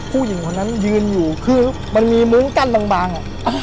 ผู้หญิงคนนั้นยืนอยู่คือมันมีมุ้งกั้นบาง